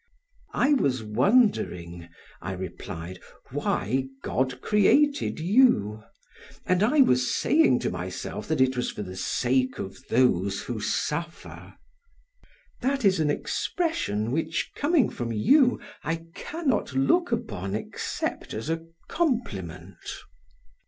"I was wondering," I replied, "why God created you, and I was saying to myself that it was for the sake of those who suffer." "That is an expression, which, coming from you, I can not look upon except as a compliment."